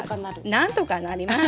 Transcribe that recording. なんとかなります。